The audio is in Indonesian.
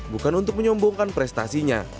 bukan untuk menyombongkan prestasinya